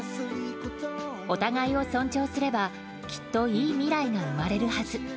お互いを尊重すればきっと、いい未来が生まれるはず。